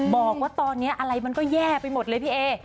บอกว่าตอนนี้อะไรมันก็แย่ไปหมดเลยพี่เอ